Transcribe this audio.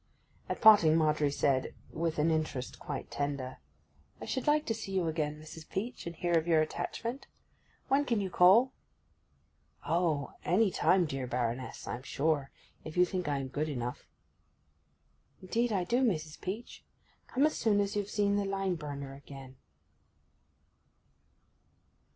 At parting Margery said, with an interest quite tender, 'I should like to see you again, Mrs. Peach, and hear of your attachment. When can you call?' 'Oh—any time, dear Baroness, I'm sure—if you think I am good enough.' 'Indeed, I do, Mrs. Peach. Come as soon as you've seen the lime burner again.